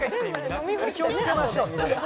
気をつけましょう、皆さん。